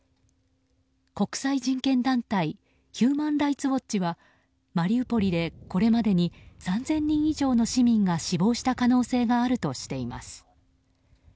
国際人権団体ヒューマン・ライツ・ウォッチはマリウポリで、これまでに３０００人以上の市民が死亡した可能性があるとしています。